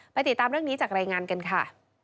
ติดตามเรื่องนี้จากรายงานกันค่ะ